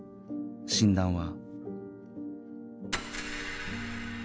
診断は